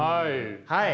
はい。